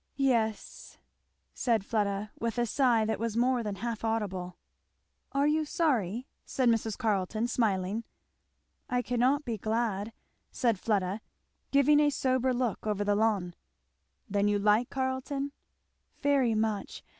"Yes!" said Fleda, with a sigh that was more than half audible. "Are you sorry?" said Mrs. Carleton smiling. "I cannot be glad," said Fleda, giving a sober look over the lawn. "Then you like Carleton?" "Very much!